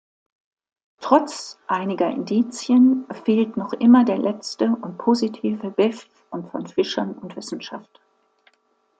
Trotz einiger Indizien fehlt noch immer der letzte positive Bef- und von Fischern und Wissenschaft.